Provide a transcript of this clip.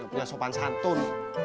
lo punya sopan santun